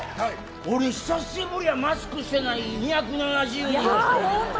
俺久しぶりやマスクしてない２７０人。